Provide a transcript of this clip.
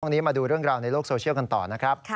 มาดูเรื่องราวในโลกโซเชียลกันต่อนะครับ